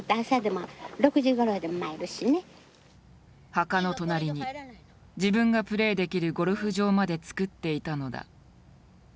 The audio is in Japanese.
墓の隣に自分がプレーできるゴルフ場までつくっていたのだ。